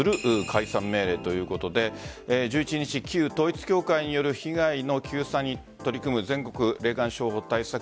解散命令ということで１１日旧統一教会による被害の救済に取り組む全国霊感商法対策